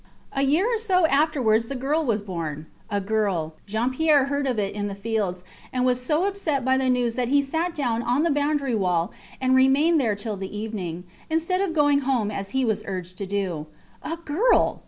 A year or so afterwards the girl was born. A girl. Jean Pierre heard of it in the fields, and was so upset by the news that he sat down on the boundary wall and remained there till the evening, instead of going home as he was urged to do. A girl!